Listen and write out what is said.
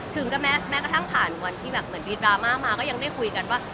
ถึงก็แม้กระทั่งผ่านวันที่แบบเหมือนมีดราม่ามาก็ยังได้คุยกันว่า